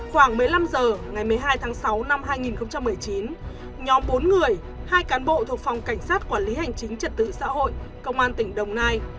khoảng một mươi năm h ngày một mươi hai tháng sáu năm hai nghìn một mươi chín nhóm bốn người hai cán bộ thuộc phòng cảnh sát quản lý hành chính trật tự xã hội công an tỉnh đồng nai